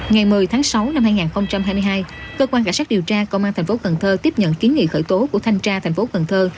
ngày một mươi tháng sáu năm hai nghìn hai mươi hai cơ quan cảnh sát điều tra công an thành phố cần thơ tiếp nhận kiến nghị khởi tố của thanh tra thành phố cần thơ